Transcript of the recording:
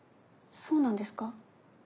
そうなんですか？